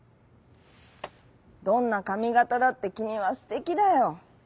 どんなかみがただってきみはすてきだよ。